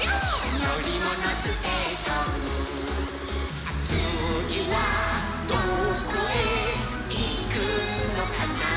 「のりものステーション」「つぎはどこへいくのかな」